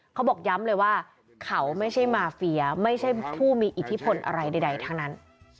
เขาบอกย้ำเลยว่าเขาไม่ใช่มาเฟียไม่ใช่ผู้มีอิทธิพลอะไรใดทั้งนั้น